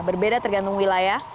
berbeda tergantung wilayah